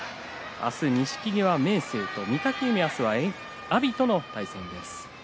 明日、錦木は明生と御嶽海は明日は阿炎との対戦です。